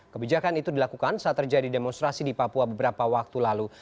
kebijakan itu dilakukan saat terjadi demonstrasi di papua beberapa waktu lalu